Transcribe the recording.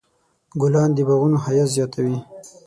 ګلان د باغونو ښایست زیاتوي.